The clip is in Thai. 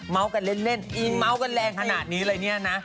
ม้าว้กันเล่นม้าว้กันแรงขนาดนี้เลยเนี่ยนะ